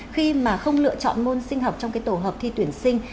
khi mà không lựa chọn môn sinh học trong cái tổ hợp thi tuyển sinh